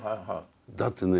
だってね